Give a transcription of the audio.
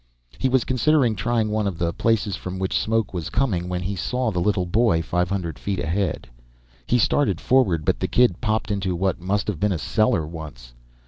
He was considering trying one of the places from which smoke was coming when he saw the little boy five hundred feet ahead. He started forward, but the kid popped into what must have been a cellar once.